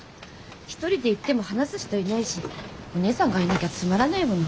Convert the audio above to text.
１人で行っても話す人いないしお姉さんがいなきゃつまらないもの。